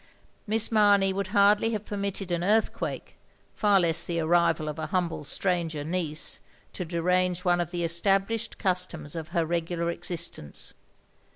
Miss Mamey would hardly have permitted an earthquake — ^far less the arrival of a humble stranger niece — to derange one of the established customs of her regular existence.